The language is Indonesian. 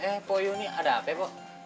eh po yoni ada apa ya po